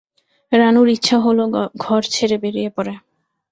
রানুর ইচ্ছা হলো ঘর ছেড়ে বেরিয়ে পড়ে।